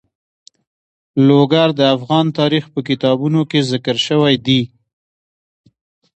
لوگر د افغان تاریخ په کتابونو کې ذکر شوی دي.